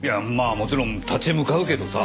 もちろん立ち向かうけどさ